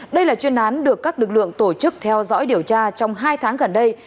đây là chuyên án được các lực lượng tổ chức theo dõi điều tra trong hai tháng gần đây